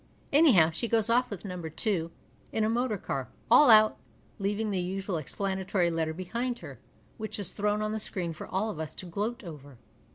Anyhow, she goes off with No. 2 in a motor ear, " all out," leaving the usual explanatory letter behind her, which is thrown on the screen for all of us to gloat over.